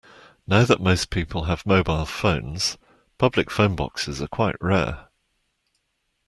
Now that most people have mobile phones, public phone boxes are quite rare